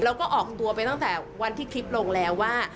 แล้วก็ออกตัวไปตั้งแต่วันที่คลิปลงแล้วว่า